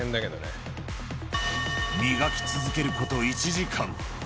磨き続けること１時間。